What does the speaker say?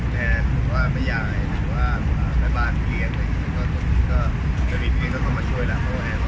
แทนหัวมายายหัวมายบ้านเรียนตรงนี้ก็เดี๋ยวอีกทีก็เขามาช่วยแหละ